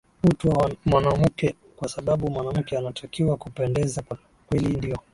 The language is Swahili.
utu wa mwanamuke kwa sababu mwanamke anatakiwa kupendeza kwa kweli ndio